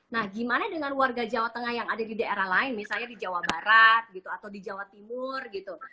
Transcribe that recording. nah gimana dengan warga jawa tengah yang ada di daerah lain misalnya di jawa barat gitu atau di jawa timur gitu